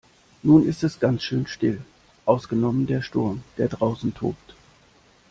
Nun ist es ganz schön still, ausgenommen der Sturm, der draußen tobt.